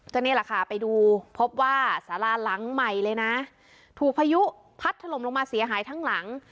ก็นี่แหละค่ะไปดูพบว่าสาราหลังใหม่เลยนะถูกพายุพัดถล่มลงมาเสียหายทั้งหลัง